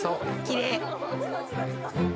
きれい。